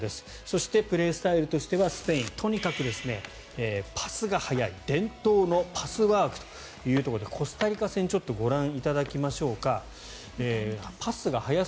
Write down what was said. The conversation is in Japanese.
そして、プレースタイルとしてはスペインはとにかくパスが速い伝統のパスワークというところでコスタリカ戦ご覧いただきましょうか。